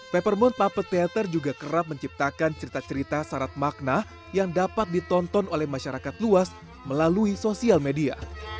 peppermoon puppet theater juga kerap menciptakan cerita cerita syarat makna yang dapat ditonton oleh masyarakat luas melalui sosial media